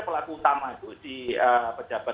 pelaku utama itu si pejabat